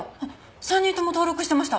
３人とも登録してました。